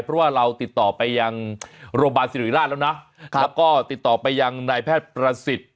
เพราะว่าเราติดต่อไปยังโรงพยาบาลสิริราชแล้วนะแล้วก็ติดต่อไปยังนายแพทย์ประสิทธิ์